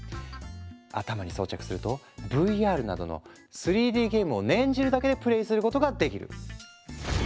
頭に装着するとＶＲなどの３Ｄゲームを念じるだけでプレイすることができる。